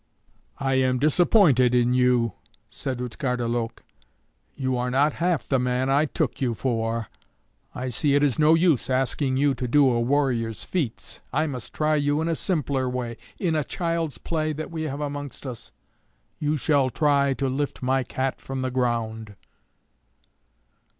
"I am disappointed in you," said Utgarda Loke; "you are not half the man I took you for. I see it is no use asking you to do warrior's feats; I must try you in a simpler way, in a child's play that we have amongst us. You shall try to lift my cat from the ground."